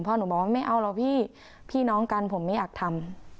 พ่อหนูบอกว่าไม่เอาเราพี่น้องกันผมไม่อยากทำ